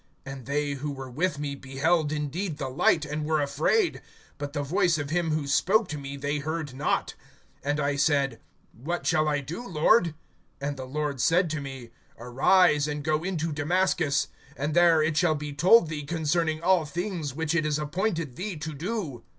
(9)And they who were with me beheld indeed the light, and were afraid; but the voice of him who spoke to me they heard not[22:9]. (10)And I said: What shall I do, Lord? And the Lord said to me: Arise, and go into Damascus; and there it shall be told thee concerning all things which it is appointed thee to do.